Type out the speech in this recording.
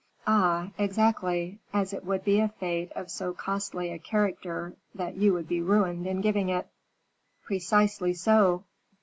"Ah exactly; as it would be a fete of so costly a character that you would be ruined in giving it." "Precisely so.